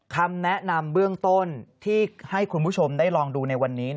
คำแนะนำเบื้องต้นที่ให้คุณผู้ชมได้ลองดูในวันนี้